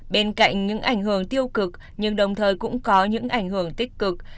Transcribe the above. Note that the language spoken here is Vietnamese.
bên cạnh những ảnh hưởng tiêu cực nhưng đồng thời cũng có những ảnh hưởng tích cực